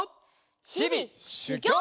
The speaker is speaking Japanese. ひびしゅぎょう！